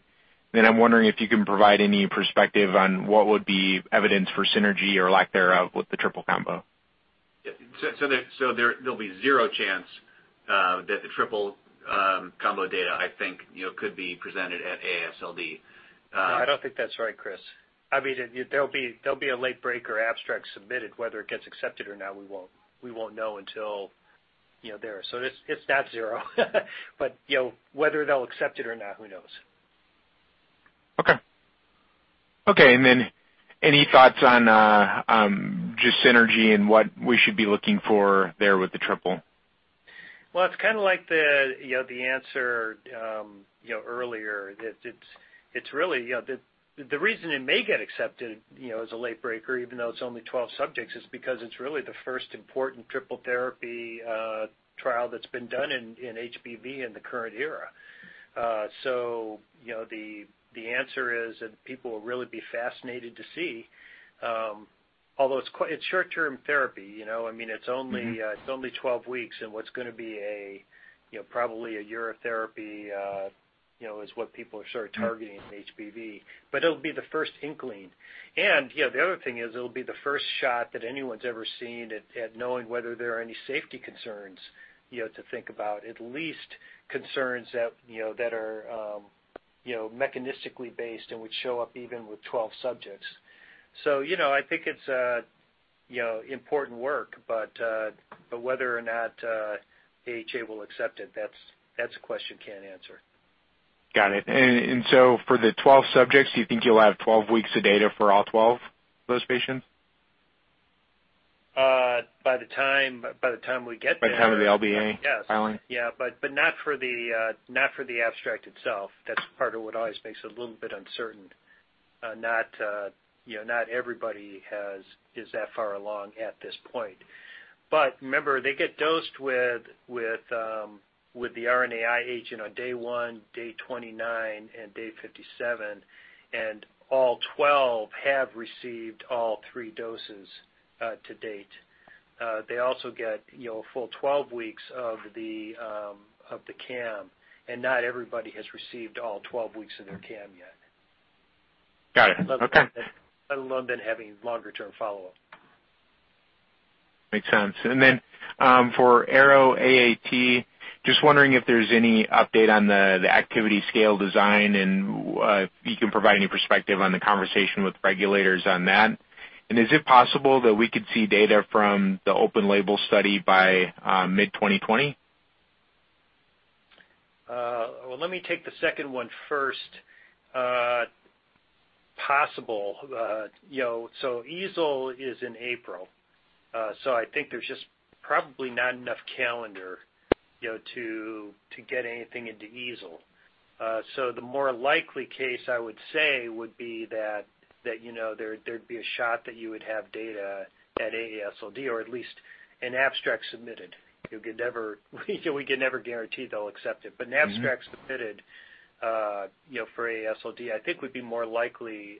I'm wondering if you can provide any perspective on what would be evidence for synergy or lack thereof with the triple combo. There'll be zero chance that the triple combo data, I think, could be presented at AASLD. No, I don't think that's right, Chris. There'll be a late break or abstract submitted. Whether it gets accepted or not, we won't know until there. It's not zero but whether they'll accept it or not, who knows? Okay. Any thoughts on just synergy and what we should be looking for there with the triple? Well, it's like the answer earlier. The reason it may get accepted as a late breaker, even though it's only 12 subjects, is because it's really the first important triple therapy trial that's been done in HBV in the current era. The answer is that people will really be fascinated to see, although it's short-term therapy. It's only 12 weeks and what's going to be probably a year of therapy is what people are sort of targeting in HBV. It'll be the first inkling. The other thing is it'll be the first shot that anyone's ever seen at knowing whether there are any safety concerns to think about. At least concerns that are mechanistically based and would show up even with 12 subjects. I think it's important work. Whether or not AASLD will accept it, that's a question I can't answer. Got it. For the 12 subjects, do you think you'll have 12 weeks of data for all 12 of those patients? By the time we get there. By the time of the LBA filing? Yes. Not for the abstract itself. That's part of what always makes it a little bit uncertain. Not everybody is that far along at this point. Remember, they get dosed with the RNAi agent on day one, day 29, and day 57, and all 12 have received all three doses to date. They also get a full 12 weeks of the CAM, and not everybody has received all 12 weeks of their CAM yet. Got it. Okay. Let alone been having longer-term follow-up. Makes sense. Then for ARO-AAT, just wondering if there's any update on the activity scale design and if you can provide any perspective on the conversation with regulators on that. Is it possible that we could see data from the open label study by mid 2020? Well, let me take the second one first. Possible. EASL is in April, so I think there's just probably not enough calendar to get anything into EASL. The more likely case, I would say, would be that there'd be a shot that you would have data at AASLD or at least an abstract submitted. We can never guarantee they'll accept it, but an abstract submitted for AASLD I think would be more likely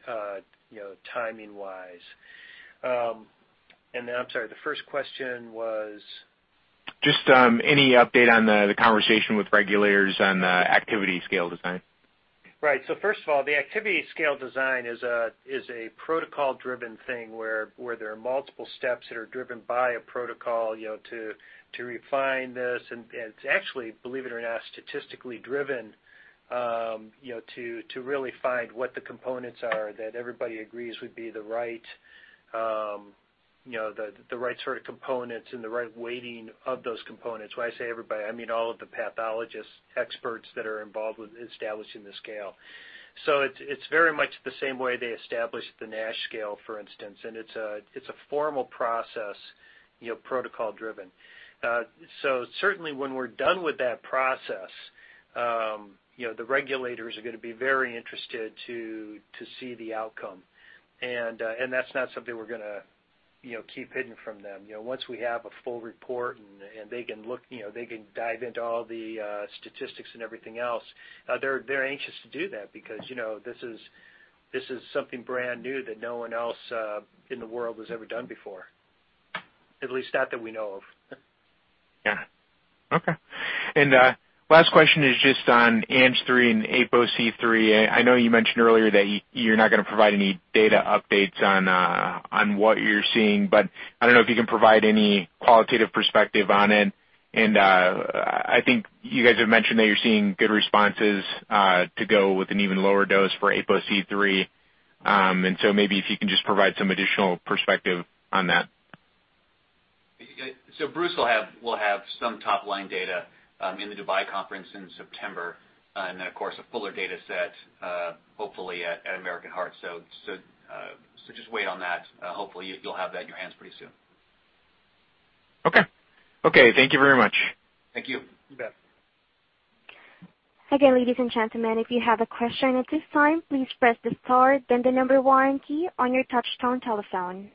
timing wise. I'm sorry, the first question was? Just any update on the conversation with regulators on the activity scale design? Right. First of all, the activity scale design is a protocol-driven thing where there are multiple steps that are driven by a protocol to refine this and it's actually, believe it or not, statistically driven to really find what the components are that everybody agrees would be the right sort of components and the right weighting of those components. When I say everybody, I mean all of the pathologists, experts that are involved with establishing the scale. It's very much the same way they established the NASH scale, for instance, and it's a formal process, protocol-driven. Certainly when we're done with that process, the regulators are going to be very interested to see the outcome. That's not something we're going to keep hidden from them. Once we have a full report and they can dive into all the statistics and everything else, they're anxious to do that because this is something brand new that no one else in the world has ever done before, at least not that we know of. Yeah. Okay. Last question is just on ARO-ANG3 and ARO-APOC3. I know you mentioned earlier that you're not going to provide any data updates on what you're seeing, but I don't know if you can provide any qualitative perspective on it. I think you guys have mentioned that you're seeing good responses to go with an even lower dose for ARO-APOC3. Maybe if you can just provide some additional perspective on that. Bruce will have some top-line data in the Dubai conference in September, and then of course, a fuller data set, hopefully at American Heart. Just wait on that. Hopefully, you'll have that in your hands pretty soon. Okay. Thank you very much. Thank you. You bet. Again, ladies and gentlemen, if you have a question at this time, please press the star, then the number one key on your touchtone telephone.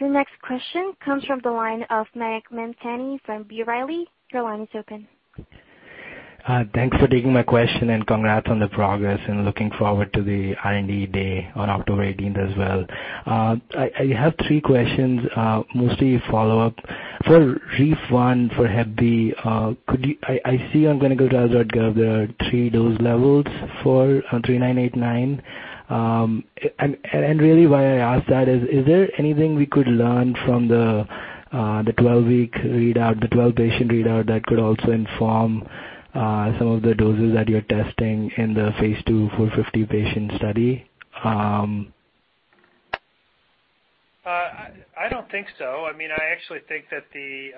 Your next question comes from the line of Mayank Mamtani from B. Riley. Your line is open. Thanks for taking my question and congrats on the progress and looking forward to the R&D Day on October 18th as well. I have three questions, mostly follow-up. For REEF-1 for hep B, I see on clinicaltrials.gov there are 3 dose levels for 3989. Really why I ask that is there anything we could learn from the 12-week readout, the 12-patient readout that could also inform some of the doses that you're testing in the phase II 450-patient study? I don't think so. I actually think that the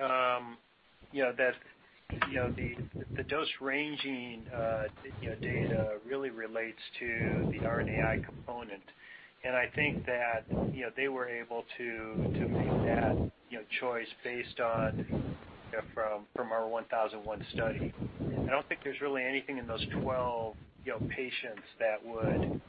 dose ranging data really relates to the RNAi component. I think that they were able to make that choice based on from our 1001 study. I don't think there's really anything in those 12 patients that would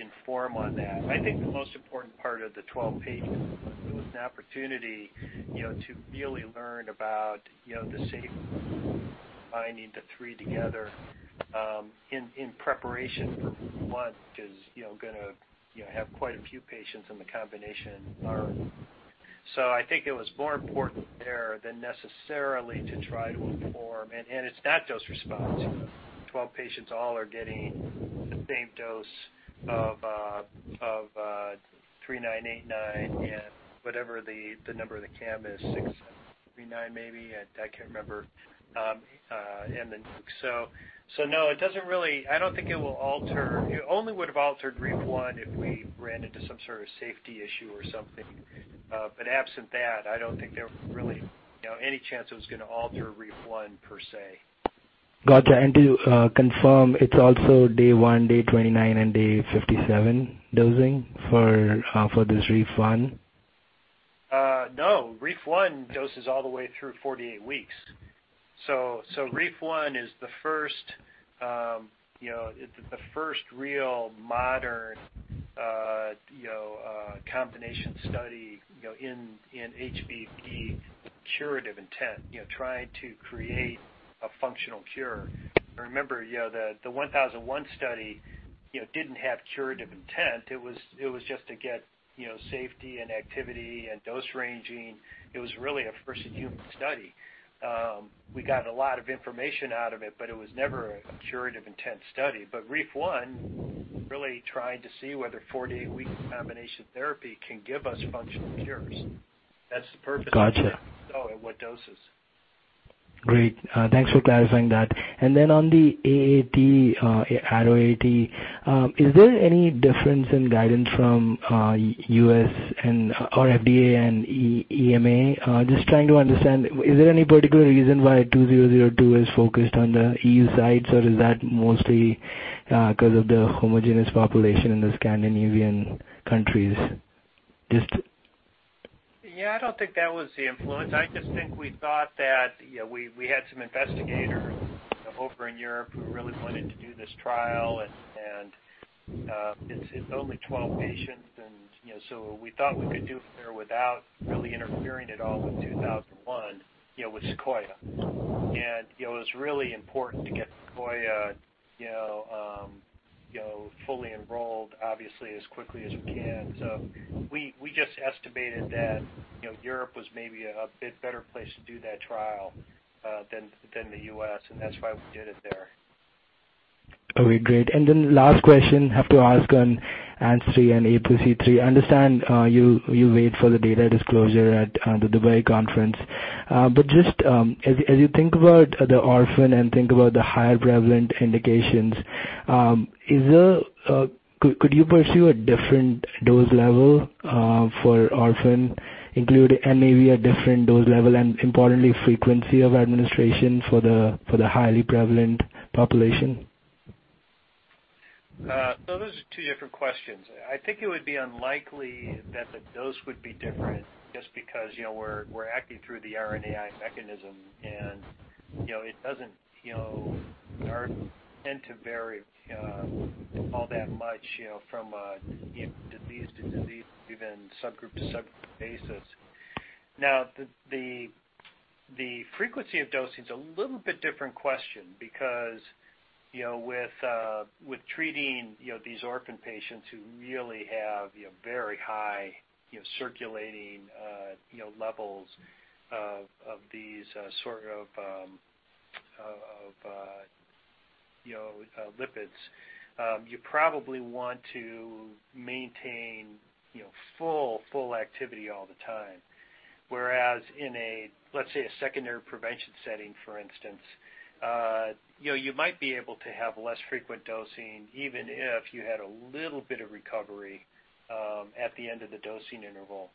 inform on that. I think the most important part of the 12 patients was an opportunity to really learn about the safety of combining the three together, in preparation for what is going to have quite a few patients in the combination arm. I think it was more important there than necessarily to try to inform, and it's not dose response. The 12 patients all are getting the same dose of 3989 and whatever the number of the CAM is, 639 maybe, I can't remember. Then NUC. No, I don't think it will alter. It only would have altered REEF-1 if we ran into some sort of safety issue or something. Absent that, I don't think there really any chance it was going to alter REEF-1 per se. Gotcha. To confirm, it's also day 1, day 29, and day 57 dosing for this REEF-1? REEF-1 doses all the way through 48 weeks. REEF-1 is the first real modern combination study in HBV curative intent, trying to create a functional cure. Remember, the 1001 study didn't have curative intent. It was just to get safety and activity and dose ranging. It was really a first-in-human study. We got a lot of information out of it, but it was never a curative intent study. REEF-1 really tried to see whether 48 weeks of combination therapy can give us functional cures. That's the purpose of it. Gotcha. What doses? Great. Thanks for clarifying that. Then on the AAT, ARO-AAT, is there any difference in guidance from FDA and EMA? Just trying to understand, is there any particular reason why 2002 is focused on the EU side, or is that mostly because of the homogenous population in the Scandinavian countries? I don't think that was the influence. I just think we thought that we had some investigators over in Europe who really wanted to do this trial and it's only 12 patients and so we thought we could do it there without really interfering at all with 2001, with SEQUOIA. It was really important to get SEQUOIA fully enrolled, obviously as quickly as we can. We just estimated that Europe was maybe a bit better place to do that trial than the U.S., and that's why we did it there. Okay, great. Last question, have to ask on ARO-ANG3 and ARO-APOC3. Understand you wait for the data disclosure at the Dubai conference. Just as you think about the orphan and think about the higher prevalent indications? Could you pursue a different dose level for orphan, including maybe a different dose level and importantly, frequency of administration for the highly prevalent population? Those are two different questions. I think it would be unlikely that the dose would be different just because we're acting through the RNAi mechanism. It doesn't tend to vary all that much from a disease to disease, even subgroup to subgroup basis. Now, the frequency of dosing is a little bit different question because, with treating these orphan patients who really have very high circulating levels of these sort of lipids, you probably want to maintain full activity all the time. Whereas in a, let's say, a secondary prevention setting, for instance, you might be able to have less frequent dosing, even if you had a little bit of recovery at the end of the dosing interval.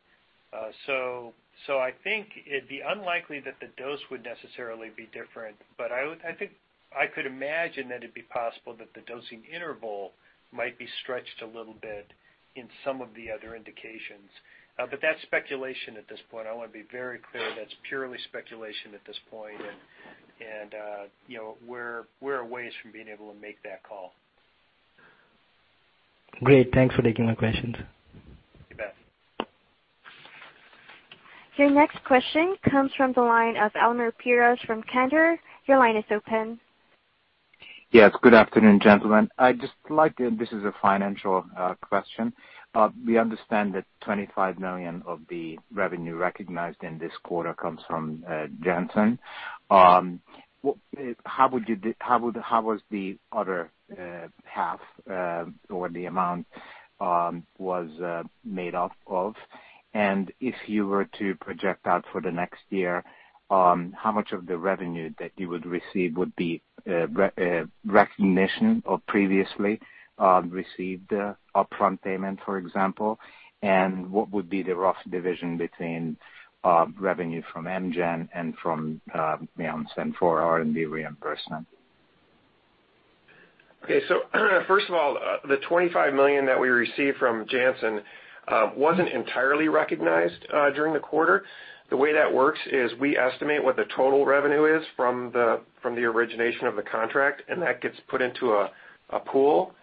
I think it'd be unlikely that the dose would necessarily be different, but I could imagine that it'd be possible that the dosing interval might be stretched a little bit in some of the other indications. That's speculation at this point. I want to be very clear, that's purely speculation at this point, and we're a ways from being able to make that call. Great. Thanks for taking my questions. You bet. Your next question comes from the line of Almir Piruz from Kendra. Your line is open. Yes. Good afternoon, gentlemen. This is a financial question. We understand that $25 million of the revenue recognized in this quarter comes from Janssen. Yes. How was the other half, or the amount was made up of? If you were to project out for the next year, how much of the revenue that you would receive would be recognition of previously received upfront payment, for example, and what would be the rough division between revenue from Amgen and from Janssen for R&D reimbursement? Okay. First of all, the $25 million that we received from Janssen wasn't entirely recognized during the quarter. The way that works is we estimate what the total revenue is from the origination of the contract, and that gets put into a pool.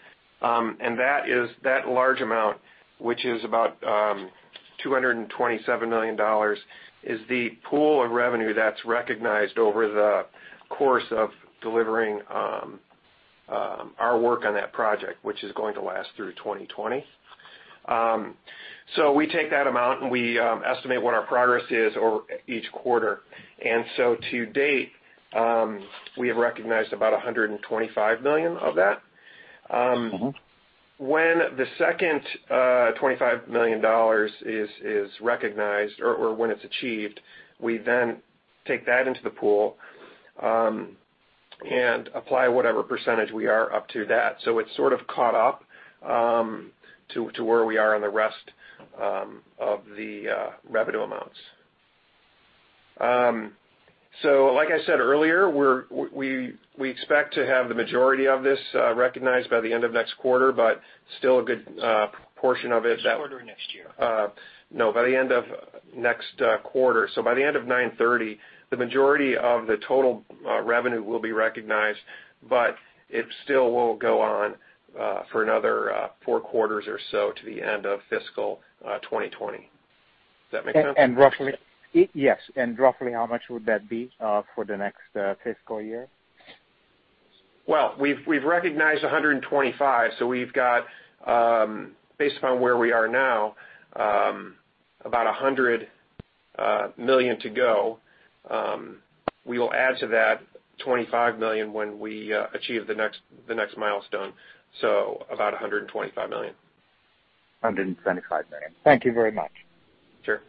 That large amount, which is about $227 million, is the pool of revenue that's recognized over the course of delivering our work on that project, which is going to last through 2020. We take that amount, and we estimate what our progress is over each quarter. To date, we have recognized about $125 million of that. When the second $25 million is recognized or when it's achieved, we then take that into the pool, and apply whatever percentage we are up to that. It's sort of caught up to where we are on the rest of the revenue amounts. Like I said earlier, we expect to have the majority of this recognized by the end of next quarter, but still a good portion of it. This quarter or next year? No, by the end of next quarter. By the end of 9/30, the majority of the total revenue will be recognized, but it still will go on for another four quarters or so to the end of fiscal 2020. Does that make sense? Yes. Roughly how much would that be for the next fiscal year? Well, we've recognized $125, so we've got, based upon where we are now, about $100 million to go. We will add to that $25 million when we achieve the next milestone, so about $125 million. $125 million. Thank you very much. Sure.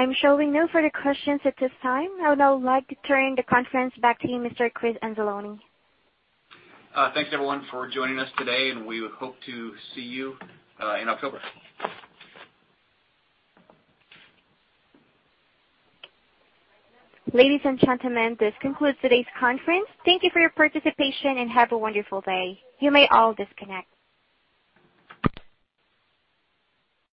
I'm showing no further questions at this time. I would now like to turn the conference back to you, Mr. Chris Anzalone. Thanks everyone for joining us today, and we hope to see you in October. Ladies and gentlemen, this concludes today's conference. Thank you for your participation, and have a wonderful day. You may all disconnect.